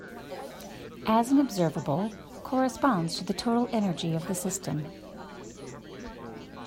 As an observable, corresponds to the total energy of the system.